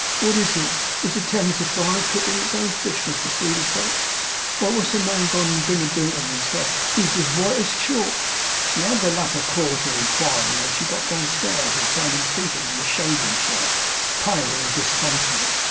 'What is it? Is the Thames a fire, and cooking its own fish, Mr Sweedlepipes? Why wot's the man gone and been a doin' of to himself? He's as white as chalk!' She added the latter clause of inquiry, when she got downstairs, and found him seated in the shaving chair, pale and disconsolate.